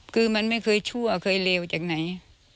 คือมันไม่เคยชั่วเคยเลวจากไหน